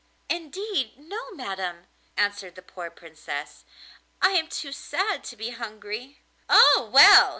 'Indeed no, madam,' answered the poor Princess, 'I am too sad to be hungry.' 'Oh, well!